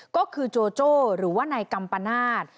ก็คือโจโจ้หรือว่านายกัมปนาศ